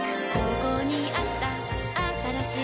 ここにあったあったらしい